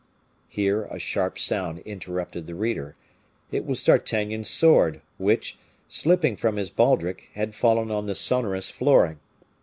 Here a sharp sound interrupted the reader. It was D'Artagnan's sword, which, slipping from his baldric, had fallen on the sonorous flooring.